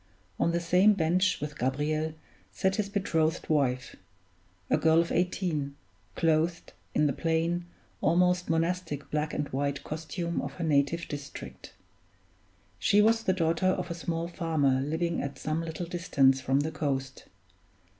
On the same bench with Gabriel sat his betrothed wife a girl of eighteen clothed in the plain, almost monastic black and white costume of her native district. She was the daughter of a small farmer living at some little distance from the coast.